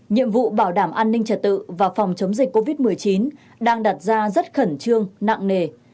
nhiệm vụ bảo đảm an ninh trật tự và phòng chống dịch covid một mươi chín đang đặt ra rất khẩn trương nặng nề